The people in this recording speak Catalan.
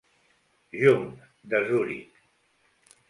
Jung de Zuric.